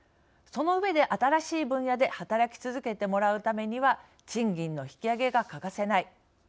その上で新しい分野で働き続けてもらうためには賃金の引き上げが欠かせない。